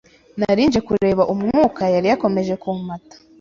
narinje kureba umwuka yari yakomeje kumpata